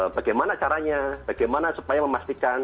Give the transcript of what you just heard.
bagaimana caranya bagaimana supaya memastikan